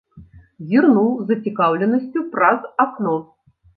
Зірнуў з зацікаўленасцю праз акно.